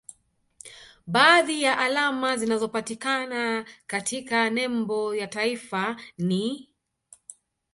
Baadhi ya alama zinazopatikana katika nembo ya taifa ni